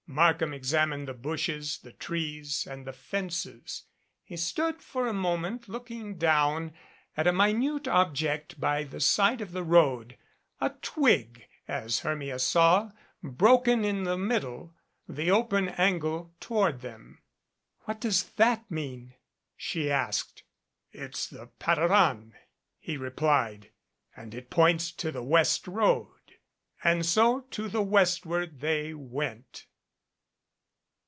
Markham examined the bushes, the trees, and the fences. He stood for a moment looking down at a 138 VAGAEONDIA minute object by the side of the road, a twig, as Hermia saw, broken in the middle, the open angle toward them. "What does that mean?" she asked. "It's the patteran," he replied, "and it points to the west road. And so to the westward they went.